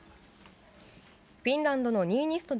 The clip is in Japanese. フィンランドのニーニスト